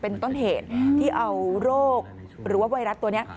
เป็นต้นเหตุที่เอาโรคหรือว่าไวรัสตัวนี้